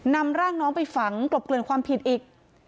นำร่างน้องไปฝังกลบเกลื่อนความผิดอีก